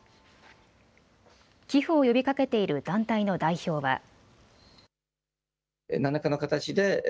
寄付を呼びかけている団体の代表は。